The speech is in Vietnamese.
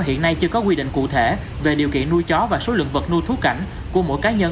hiện nay chưa có quy định cụ thể về điều kiện nuôi chó và số lượng vật nuôi thuốc cảnh của mỗi cá nhân